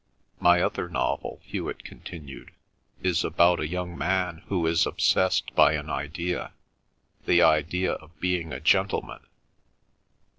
"My other novel," Hewet continued, "is about a young man who is obsessed by an idea—the idea of being a gentleman.